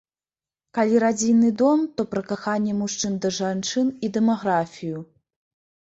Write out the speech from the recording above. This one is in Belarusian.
Калі радзільны дом, то пра каханне мужчын да жанчын і дэмаграфію.